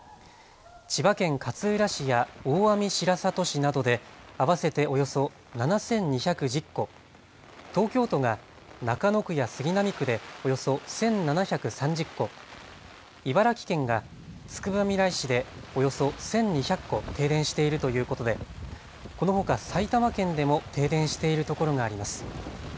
千葉県勝浦市や大網白里市などで合わせておよそ７２１０戸、東京都が中野区や杉並区でおよそ１７３０戸、茨城県がつくばみらい市でおよそ１２００戸、停電しているということでこのほか埼玉県でも停電しているところがあります。